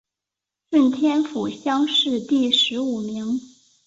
顺天府乡试第十五名。